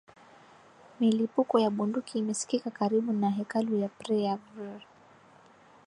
milipuko ya bunduki imesikika karibu na hekalu ya prayer vr